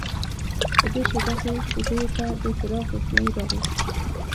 په دې شېبه کې کوټې ته د څراغ روښنايي راغله